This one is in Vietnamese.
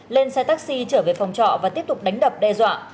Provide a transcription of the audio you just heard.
lên xe taxi trở về phòng trọ và tiếp tục đánh đập đe dọa